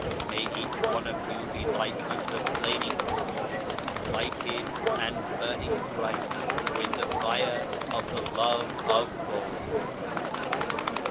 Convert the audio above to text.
May each of you be like unto a flaming torch, lighted and burning bright with the fire of the Love of God.